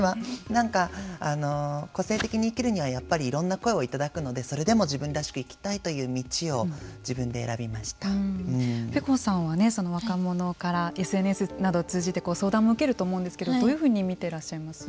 なんか、個性的に生きるにはやっぱりいろんな声をいただくのでそれでも自分らしく生きたいという道をｐｅｃｏさんは若者からＳＮＳなどを通じて相談も受けると思うんですけどどういうふうに見てらっしゃいます？